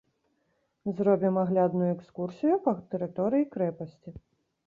Зробім аглядную экскурсію па тэрыторыі крэпасці.